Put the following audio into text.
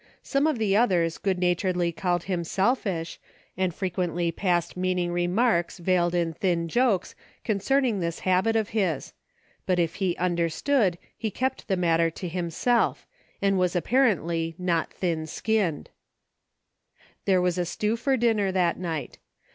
Some of the others good naturedly called him selfish, and frequently passed meaning re inarks veiled in thin jokes concerning this habit of his ; but if he understood he kept the matter to himself, and was apparently not thin skinned. 10 A DAILY BATE. There was a stew for dinner that night.